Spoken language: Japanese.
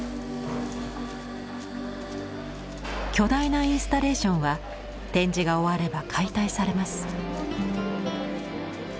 巨大なインスタレーションは展示が終われば解体されます。